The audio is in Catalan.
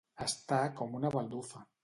Estar com una baldufa.